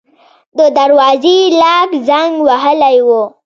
د دروازې لاک زنګ وهلی و.